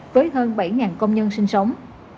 với hơn bảy công nhân sinh sống